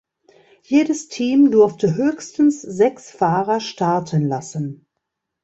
Jedes Team durfte höchstens sechs Fahrer starten lassen.